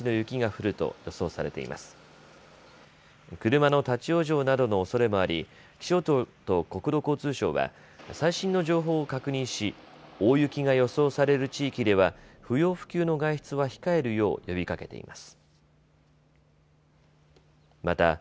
車の立往生などのおそれもあり気象庁と国土交通省は最新の情報を確認し大雪が予想される地域では不要不急の外出は控えるよう呼びかけています。